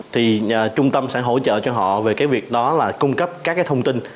thì trung tâm sẽ hỗ trợ cho họ về cái việc đó là cung cấp các cái thông tin